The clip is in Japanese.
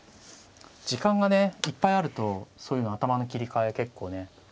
時間がねいっぱいあるとそういうの頭の切り替え結構ね